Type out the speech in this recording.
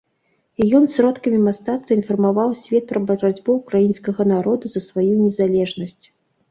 І ён сродкамі мастацтва інфармаваў свет пра барацьбу ўкраінскага народа за сваю незалежнасць.